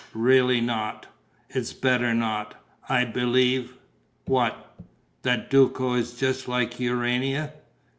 "Really not. It's better not. I believe...." "What?" "That Duco is just like Urania."